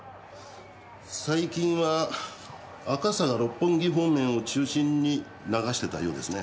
最近は赤坂六本木方面を中心に流してたようですね。